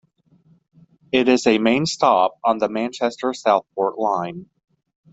It is a main stop on the Manchester-Southport Line.